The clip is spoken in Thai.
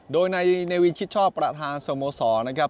โดยในเนวินชิดชอบประธานสโมสรนะครับ